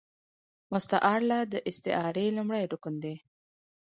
مستعارله د استعارې لومړی رکن دﺉ.